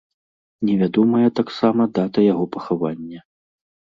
Невядомая таксама дата яго пахавання.